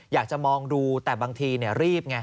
อยากจะมองดูแต่บางทีรีบไง